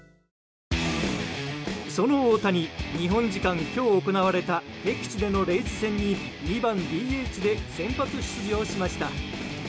その大谷日本時間今日行われた敵地でのレイズ戦に２番ＤＨで先発出場しました。